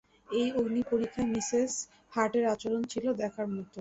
এই অগ্নিপরীক্ষায় মিসেস হার্টের আচরণ ছিল - দেখার মতো।